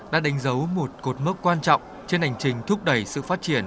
đã đánh dấu một cột mốc quan trọng trên hành trình thúc đẩy sự phát triển